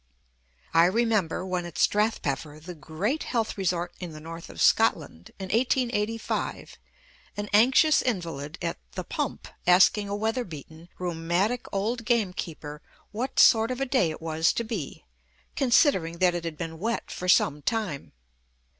I remember, when at Strathpeffer, the great health resort in the North of Scotland, in 1885, an anxious invalid at "The Pump" asking a weather beaten, rheumatic old gamekeeper what sort of a day it was to be, considering that it had been wet for some time.